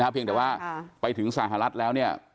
เพียงแต่ว่าไปถึงสหรัฐแล้วเนี่ย